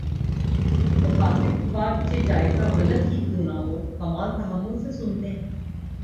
مخاطب کی بات چہ جائیکہ غلط ہی کیوں نہ ہوکمال تحمل سے سنتے ہیں